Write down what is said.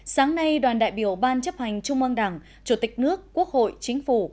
sáng nay đoàn đại biểu ban chấp hành trung ương đảng chủ tịch nước quốc hội chính phủ